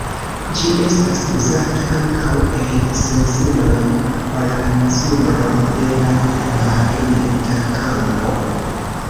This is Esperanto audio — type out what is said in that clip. Ĝi estas uzata ankaŭ en sensiloj por la mezuro de la magneta kampo.